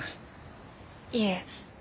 いえ。